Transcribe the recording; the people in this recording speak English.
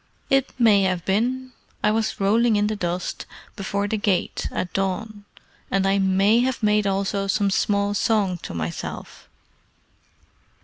"It may have been. I was rolling in the dust before the gate at dawn, and I may have made also some small song to myself.